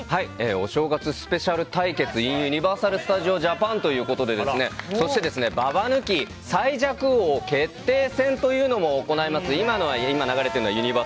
お正月スペシャル対決ｉｎユニバーサル・スタジオ・ジャパンということでそして、ババ抜き最弱王決定戦というのも行います。